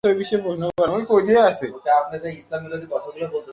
তাঁরা জিজ্ঞাসাবাদে টেকনাফ থেকে ইয়াবা এনে চট্টগ্রাম নগরে বিক্রির কথা স্বীকার করেছেন।